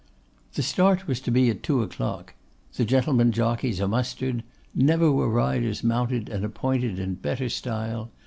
The start was to be at two o'clock. The 'gentlemen jockeys' are mustered. Never were riders mounted and appointed in better style.